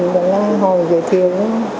đó là hỏi giới thiệu